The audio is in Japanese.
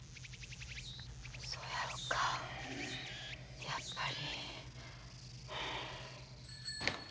そやろかやっぱり。